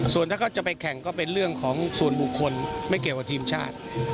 ส่วนถ้าเขาจะไปแข่งก็เป็นเรื่องของส่วนบุคคลไม่เกี่ยวกับทีมชาติ